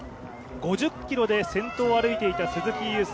５０ｋｍで先頭を歩いていた鈴木雄介。